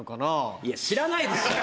いや知らないですよ！